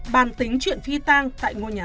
bàn tính chuyện phi tang tại ngôi nhà